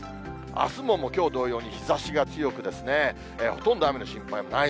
あすももうきょう同様に日ざしが強く、ほとんど雨の心配もない。